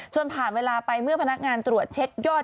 ผ่านเวลาไปเมื่อพนักงานตรวจเช็คยอด